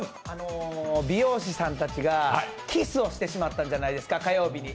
美容師さんたちがキスをしてしまったんじゃないですか、火曜日に。